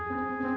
gue sama bapaknya